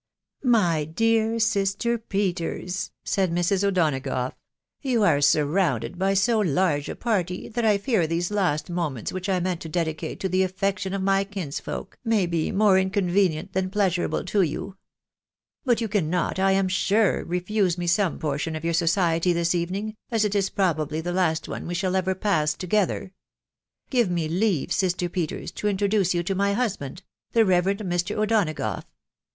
" My dear sister Peters !" said Mrs. O'Donagough, ? yon are surrounded by so large a party, that I fear these las! moments which I meant to dedicate to the affection oFmy kinsfolk, may be more inconvenient than pleasurable to you. But you cannot, I am sure, refuse me some portion of your society this evening, as it is probably the last one we shall ever pass together. Give me leave, sister Peters, to introduce you to my husband, the Reverend Mr. O'Donagough.